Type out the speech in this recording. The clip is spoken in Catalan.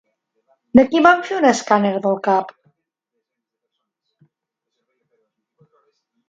De qui van fer un escàner del cap?